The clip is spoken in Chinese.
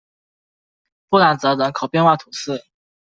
布朗泽人口变化图示